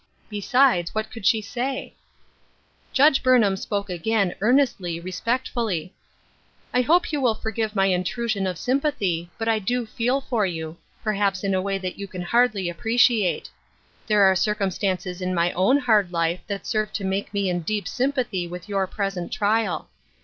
Besides, what could she say ? Judge Burnham spoke again, earnestly, re spectfully :" I hope you will forgive my intrusion of sym pathy, but I do feel for you — perhaps in a way that you can hardly appreciate. There are cir cumstances in my own hard life that serve to make me in deep sympathy with your present trial.